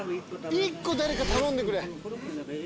１個、誰か頼んでくれ！